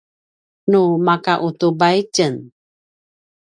nu maka utubay itjen